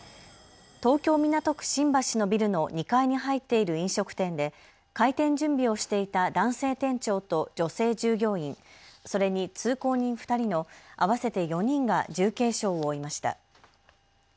東京港区新橋のビルの２階に入っている飲食店で開店準備をしていた男性店長と女性従業員、それに通行人２人の合わせて４人が重軽傷を負いました。